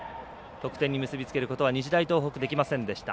得点に結び付けることは日大東北、できませんでした。